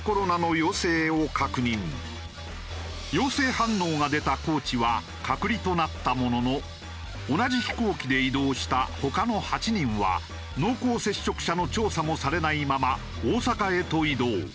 陽性反応が出たコーチは隔離となったものの同じ飛行機で移動した他の８人は濃厚接触者の調査もされないまま大阪へと移動。